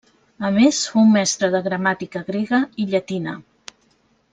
A més fou mestre de gramàtica grega i llatina.